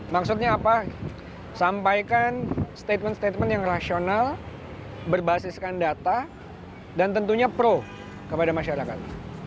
maksudnya apa sampaikan statement statement yang rasional berbasiskan data dan tentunya pro kepada masyarakat